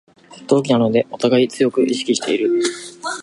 同期なのでおたがい強く意識してる